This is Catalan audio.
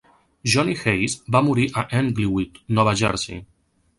Johnny Hayes va morir a Englewood, Nova Jersey.